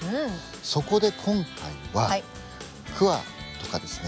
そこで今回はクワとかですね